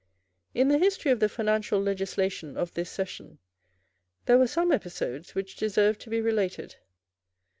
In the history of the financial legislation of this session, there were some episodes which deserve to be related.